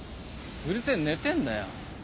うるせえ寝てんだよ。